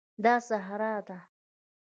دا صحرا ده